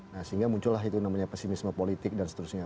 nah sehingga muncullah itu namanya pesimisme politik dan seterusnya